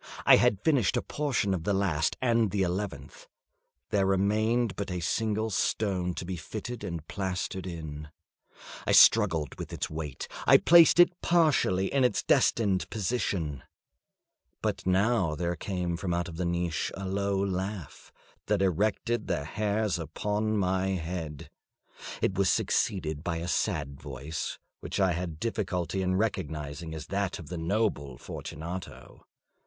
I had finished a portion of the last and the eleventh; there remained but a single stone to be fitted and plastered in. I struggled with its weight; I placed it partially in its destined position. But now there came from out the niche a low laugh that erected the hairs upon my head. It was succeeded by a sad voice, which I had difficulty in recognising as that of the noble Fortunato.